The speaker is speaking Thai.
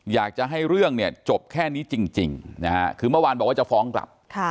อยากจะให้เรื่องเนี่ยจบแค่นี้จริงนะฮะคือเมื่อวานบอกว่าจะฟ้องกลับ